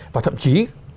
và thậm chí